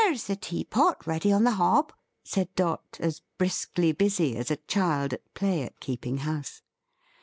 There's the teapot, ready on the hob!" said Dot; as briskly busy as a child at play at keeping house.